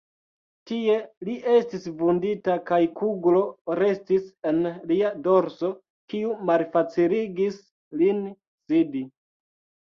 Tie li estis vundita kaj kuglo restis en lia dorso, kiu malfaciligis lin sidi.